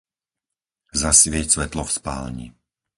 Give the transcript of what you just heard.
Zasvieť svetlo v spálni.